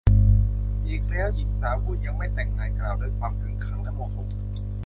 อีกแล้ว หญิงสาวผู้ยังไม่แต่งงานกล่าวด้วยความขึงขังและโมโห